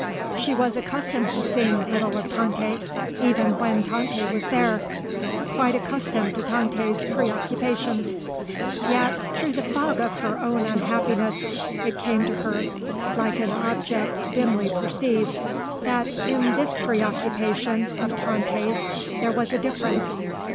She was accustomed to seeing little of Tante, even when Tante was there; quite accustomed to Tante's preoccupations. Yet, through the fog of her own unhappiness, it came to her, like an object dimly perceived, that in this preoccupation of Tante's there was a difference.